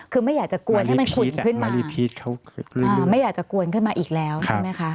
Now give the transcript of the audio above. คือไม่อยากจะกวนให้มันขุ่นขึ้นมาไม่อยากจะกวนขึ้นมาอีกแล้วใช่ไหมคะ